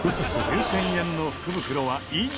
９０００円の福袋は以上。